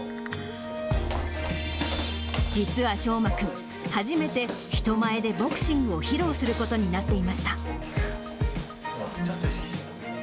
実は聖真君、初めて人前でボクシングを披露することになっていました。